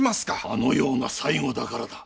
あのような最期だからだ。